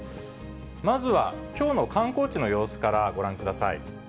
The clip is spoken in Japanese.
まずは、きょうの観光地の様子からご覧ください。